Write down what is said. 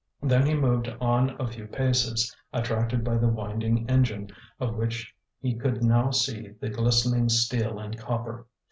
Then he moved on a few paces, attracted by the winding engine, of which he could now see the glistening steel and copper.